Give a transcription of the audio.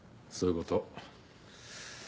そういうこと。